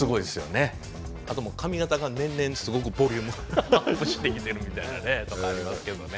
あと髪形が年々すごくボリュームアップしてきてるみたいなとこありますけどね。